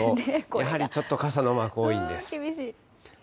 やはりちょっと傘のマーク、多いんです。